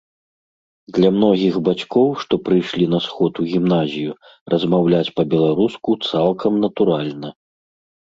Для многіх бацькоў, што прыйшлі на сход у гімназію, размаўляць па-беларуску цалкам натуральна.